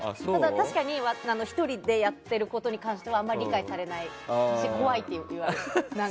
確かに１人でやってることに関してはあんまり理解されないし怖いってよく言われる。